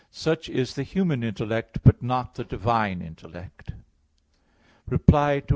Such is the human intellect, but not the divine intellect (Q. 14, AA.